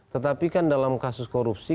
tetapi kan dalam kasus korupsi